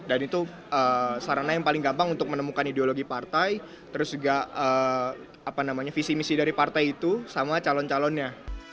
dan itu sarana yang paling gampang untuk menemukan ideologi partai terus juga visi misi dari partai itu sama calon calonnya